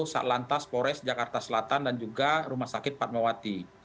sat lantas pores jakarta selatan dan juga rumah sakit pak mbawati